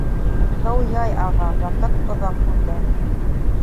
Һыу яй аға, ваҡыт оҙаҡ үтә.